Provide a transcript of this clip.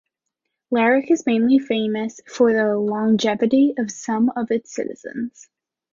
Lerik is mainly famous for the longevity of some of its citizens.